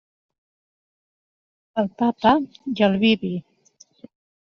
Al pa, pa, i al vi, vi.